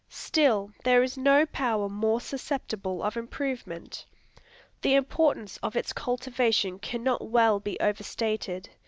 Still, there is no power more susceptible of improvement. The importance of its cultivation cannot well be over stated.